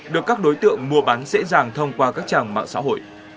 được các đối tượng mua bán dễ dàng thông qua các trang mạng xã hội